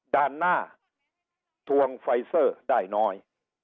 ด้านหน้าทวงไฟเซอร์ได้น้อย